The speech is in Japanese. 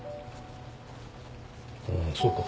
ああそうか。